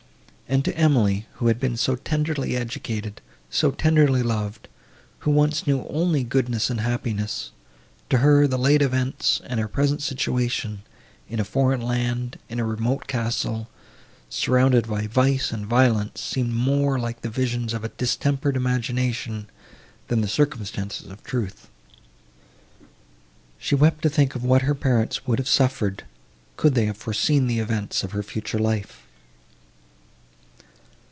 And to Emily, who had been so tenderly educated, so tenderly loved, who once knew only goodness and happiness—to her, the late events and her present situation—in a foreign land—in a remote castle—surrounded by vice and violence—seemed more like the visions of a distempered imagination, than the circumstances of truth. She wept to think of what her parents would have suffered, could they have foreseen the events of her future life.